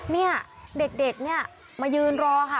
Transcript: เนี่ยเด็กเนี่ยมายืนรอค่ะ